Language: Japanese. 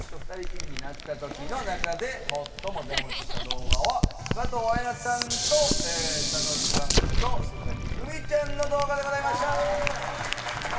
の中で最も座持ちした動画は加藤綾菜さんと佐野さんと佐々木久美ちゃんの動画でございました。